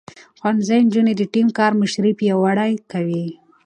ښوونځی نجونې د ټيم کار مشري پياوړې کوي.